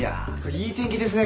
いい天気ですね